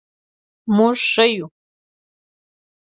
مونږ ښه یو